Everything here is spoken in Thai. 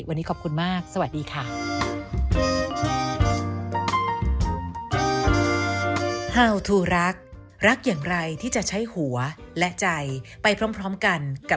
วันนี้ขอบคุณมากสวัสดีค่ะ